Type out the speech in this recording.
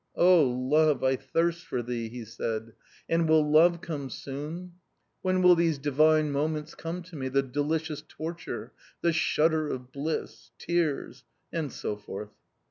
Oh, love, I thirst for thee !" he said, " and will love come soon ? when will these divine moments come to me, the delicious torture, the shudder of bliss, tears " and so forth.